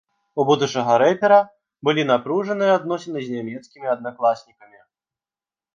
У будучага рэпера былі напружаныя адносіны з нямецкімі аднакласнікамі.